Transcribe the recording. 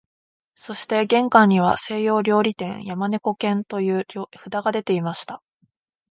そして玄関には西洋料理店、山猫軒という札がでていました